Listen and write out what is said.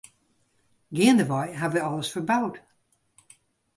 Geandewei ha we alles ferboud.